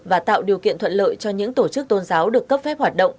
và tạo điều kiện thuận lợi cho những tổ chức tôn giáo đối tượng